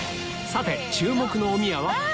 さて注目のおみやは？